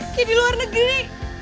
kayak di luar negeri